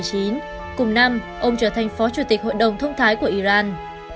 cùng năm ông trở thành phó chủ tịch hội đồng thông thái của iran